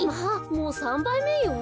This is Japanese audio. もう３ばいめよ。